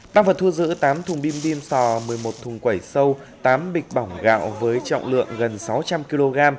tăng vật thu giữ tám thùng bim điên sò một mươi một thùng quẩy sâu tám bịch bỏng gạo với trọng lượng gần sáu trăm linh kg